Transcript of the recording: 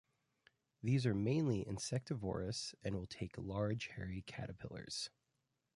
These are mainly insectivorous, and will take large hairy caterpillars.